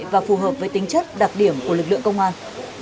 và phù hợp với tính chất đặc điểm của lực lượng công an